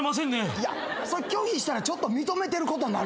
いや拒否したらちょっと認めてることになるから。